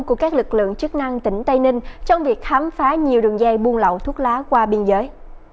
của các lực lượng chức năng tỉnh tây ninh trong việc khám phá nhiều đường dây buôn lậu thuốc lá qua biên giới